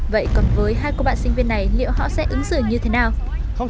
và không ngoài dự đoán vẫn có những chiếc điện thoại dư lệ